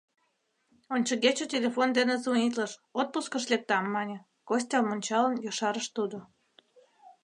Ончыгече телефон дене звонитлыш, отпускыш лектам, мане, — Костям ончалын, ешарыш тудо.